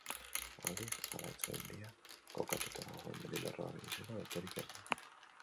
Aldiz, Alaitz mendia kokatuta dagoen mendilerroaren izena besterik ez da.